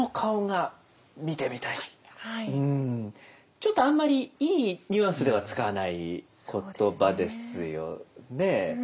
ちょっとあんまりいいニュアンスでは使わない言葉ですよね。